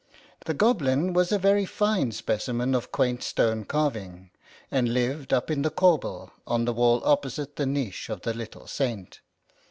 The Goblin was a very fine specimen of quaint stone carving, and lived up in the corbel on the wall opposite the niche of the little Saint.